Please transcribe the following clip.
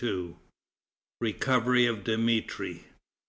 Recovery of Dmitri.